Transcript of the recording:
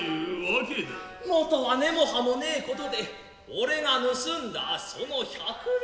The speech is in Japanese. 元は根も葉もねえことで己が盗んだその百両。